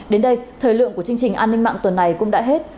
đến đây thời lượng của chương trình an ninh mạng tuần này cũng đã hết